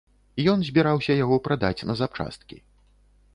Ён збіраўся яго прадаць на запчасткі.